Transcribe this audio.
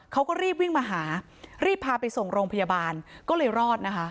เขาก็รีบวิ่งมาหารีบพาไปส่งโรงพยาบาลก็เลยรอดนะคะ